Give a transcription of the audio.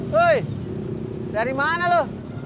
hei dari mana lu